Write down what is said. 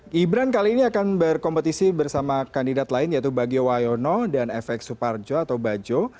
gibran kali ini akan berkompetisi bersama kandidat lain yaitu bagio wayono dan fx suparjo atau bajo